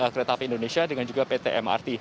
kereta api indonesia dengan juga pt mrt